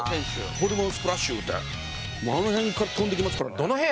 ホルモンスプラッシュいうてあの辺から跳んできますからね。